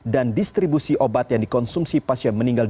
dan distribusi obat yang dikonsumsi pasien meninggal